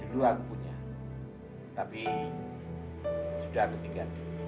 dua aku punya tapi sudah ketiga